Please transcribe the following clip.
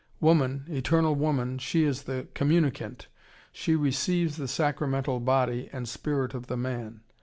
Woman, eternal woman, she is the communicant. She receives the sacramental body and spirit of the man.